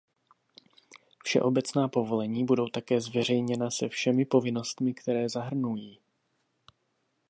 Všeobecná povolení budou také zveřejněna se všemi povinnostmi, které zahrnují.